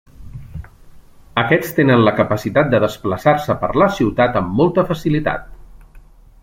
Aquests tenen la capacitat de desplaçar-se per la ciutat amb molta facilitat.